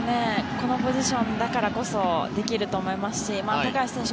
このポジションだからこそできると思いますし高橋選手